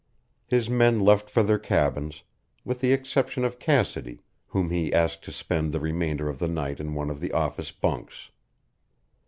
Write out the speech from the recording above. His men left for their cabins, with the exception of Cassidy, whom he asked to spend the remainder of the night in one of the office bunks.